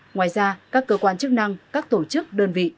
ngoài ra các cơ quan chức năng các tổ chức đơn vị